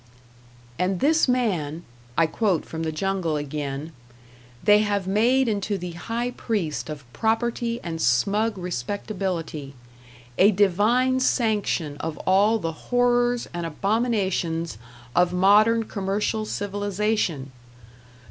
"And this man" I quote from "The Jungle" again "they have made into the high priest of property and smug respectability, a divine sanction of all the horrors and abominations of modern commercial civilization!